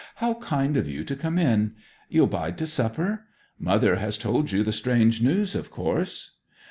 'How kind of you to come in. You'll bide to supper? Mother has told you the strange news, of course?'